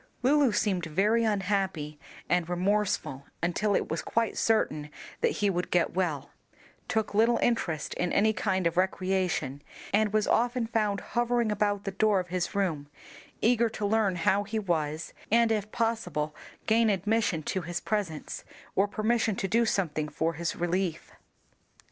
Lulu seemed very unhappy and remorseful until it was quite certain that he would get well, took little interest in any kind of recreation, and was often found hovering about the door of his room, eager to learn how he was and if possible gain admission to his presence, or permission to do something for his relief.